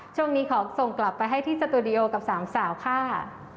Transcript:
ช่วงนี้ขอส่งกลับไปให้ที่สตูดิโอกับสามสาวค่ะ